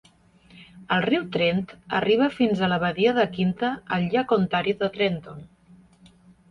El riu Trent arriba fins a la Badia de Quinte al llac Ontario de Trenton.